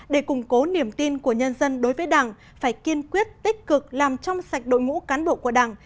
để củng cố niềm tin của nhân dân đối với đảng phải kiên quyết tích cực làm trong sạch đội ngũ cán bộ của đảng